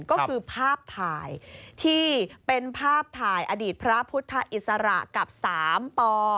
ก็คือภาพถ่ายที่เป็นภาพถ่ายอดีตพระพุทธอิสระกับ๓ป